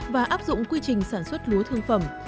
và áp dụng quy trình sản xuất lúa thương phẩm